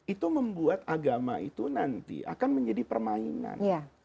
itu membuat agama itu nanti akan menjadi permainan